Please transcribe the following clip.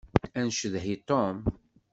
Ad ncedhi Tom.